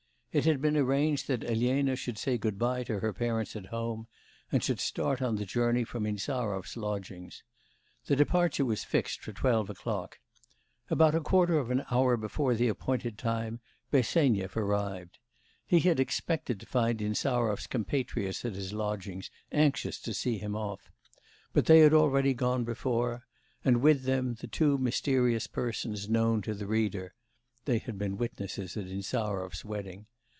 It had been arranged that Elena should say good bye to her parents at home, and should start on the journey from Insarov's lodgings. The departure was fixed for twelve o'clock. About a quarter of an hour before the appointed time Bersenyev arrived. He had expected to find Insarov's compatriots at his lodgings, anxious to see him off; but they had already gone before; and with them the two mysterious persons known to the reader (they had been witnesses at Insarov's wedding).